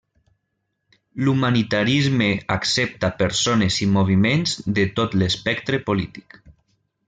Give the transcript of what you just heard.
L'humanitarisme accepta persones i moviments de tot l'espectre polític.